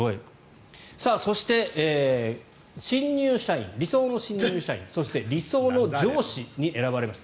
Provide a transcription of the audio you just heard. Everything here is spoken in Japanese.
そして、理想の新入社員そして理想の上司に選ばれました。